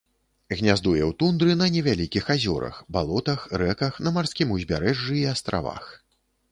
Гняздуе ў тундры на невялікіх азёрах, балотах, рэках, на марскім ўзбярэжжы і астравах.